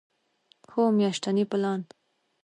هو، میاشتنی پلان